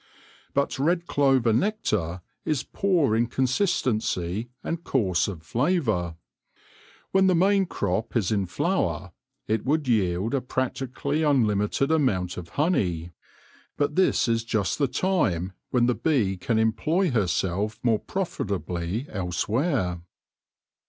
But red clover nectar is poor in con sistency and coarse of flavour. When the main crop is in flower, it would yield a practically unlimited amount of honey, but this is just the time when the bee can employ herself more profitably elsewhere.